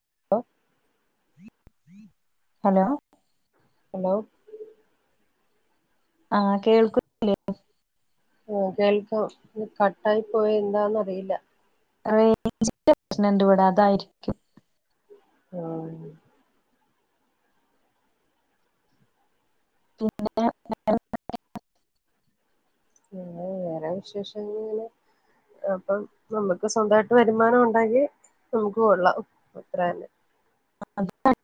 [inaudible] Hello hello ആ കേൾക്കുന്നില്ലേ ഉം കേൾക്കാം കട്ടായി പോയെ എന്താന്ന് അറില്ല റേഞ്ചിന്റെ പ്രശ്നണ്ട്വ്ടെ അതായിരിക്കും ആ പിന്നെ വേറെന്തൊക്കെ ആ വേറെ വിശേഷങ്ങനെ അപ്പം നമ്മക്ക് സ്വന്തായിട്ട് വരുമാനം ഉണ്ടെങ്കി നമുക്ക് കൊള്ളാം അത്രതന്നെ [inaudible]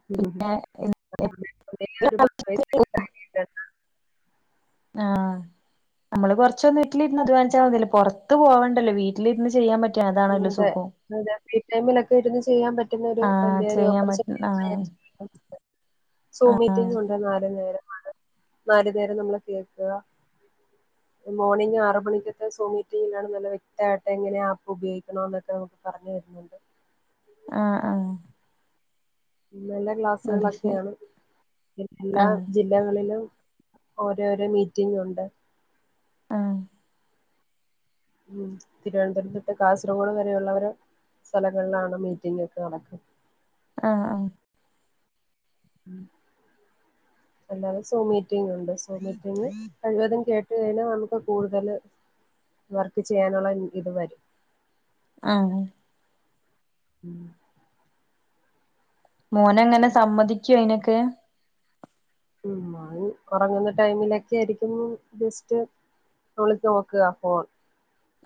[unintelligible] ആ നമ്മള് കൊർച്ചൊന്ന് വീട്ടിലിരുന്ന് അധ്വാനിച്ച മതിയല്ലോ പൊർത്ത് പോവണ്ടല്ലോ വീട്ടിലിരുന്ന് ചെയ്യാൻ പറ്റാ അതാണല്ലോ അതെ സുഖം അതെ ഫ്രീ ടൈമിലൊക്കെ ഇരുന്നു ചെയ്യാൻ പറ്റുന്ന ഒരു ആ വല്യോരു ചെയ്യാൻ ഓപ്പർച്ചു പറ്റും ആ [unintelligible] ആ സോമിറ്റിങ്ങുണ്ട് നാലു നേരം നാല് നേരം നമ്മള് കേൾക്ക ഈ മോർണിംഗ് ആറ് മണിക്കത്തെ സോമിറ്റിങ് എങ്ങനെ നല്ല വ്യക്തമായിട്ടെങ്ങന ഉപയോഗിക്കണോന്നൊക്കെ നമുക്ക് പർഞ് തര്ന്നുണ്ട് ആ ആ നല്ല അത് ശരി ക്ലാസ്സുകളൊക്കെയാണ് ആ എല്ലാ ജി ല്ലകളിലും ഓരോരോ മീറ്റിങ്ങുണ്ട് ആ ഉം തിരുവനന്തപുരം തൊട്ട് കാസർഗോഡ് വരെയുള്ളവര് സ്ഥലങ്ങളിലാണ് മീറ്റിങൊക്കെ നടക്കുന്നത് ആ ആ അല്ലാതെ സോമീറ്റിങ്ങുണ്ട് സോമീറ്റിങ് കഴിവതും കേട്ട [unintelligible] നമുക്ക് കൂടുതൽ വർക്ക് ചെയ്യാനുള്ള ഇത് വരും അ ആ ഉം മോനെങ്ങനെ സമ്മതിക്യോ അയ്നൊക്കെ ഉം അഹ് ഒറങ്ങുന്ന ടൈമിലൊക്കെയായിര്ക്കും ബെസ്റ്റ് ഒളിച്ച് നോക്കാ ഫോൺ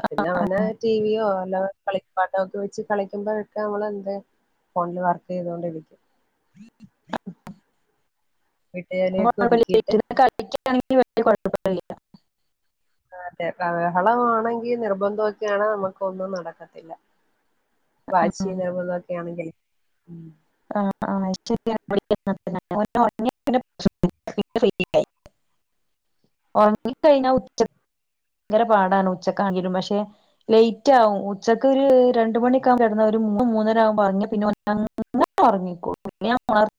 പിന്നെ ഓന് ടീവിയോ അല്ലാ കളിപ്പാട്ടൊക്കെ വെച്ച് കളിക്കുമ്പോക്കെ നമ്മളെന്ത് ഫോണില് വർക്കയ്തോണ്ടിരിക്കും. വീട്ടുജോലിയൊക്കെ ഒതുക്കിയിട്ട് [unintelligible] കളിക്കാണെങ്കി വല്യ കൊഴപ്പൊന്നില്ല ആഹ് അതെ ആഹ് ബഹളവാണെങ്കി നിർബന്ധോക്കെയാണെ നമ്മക്കൊന്നും നടക്കത്തില്ല. ആ വാശി [unintelligible] തൊക്കെയാണെങ്കി ഉം [unintelligible] [unintelligible] ഒറങ്ങി കഴിഞ്ഞ ഉ ങ്കര പാടാണ് ഉച്ചക്കാണ്ങ്കിലും പക്ഷെ ലൈറ്റാകും ഉച്ചക്ക് ഒര് രണ്ടുമണി കെടന്ന ഒരു മൂന്ന് മൂന്നരാകുമ്പൊ ഒറങ്ങിയ പിന്നെ ഓനങ്ങനെ ഒറങ്ങിക്കോളും പിന്നെ ഞാ ഒണർ